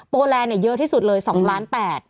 แลนด์เยอะที่สุดเลย๒ล้าน๘